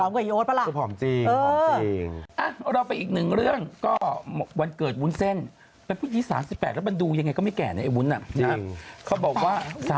อาจจะวามแผนเรื่องมีลูกหรือเปล่า